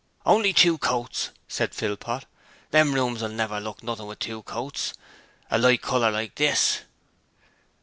'Only two coats!' said Philpot. 'Them rooms will never look nothing with two coats a light colour like this.'